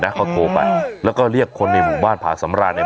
เขาโทรไปแล้วก็เรียกคนในหมู่บ้านผาสำราญเนี่ย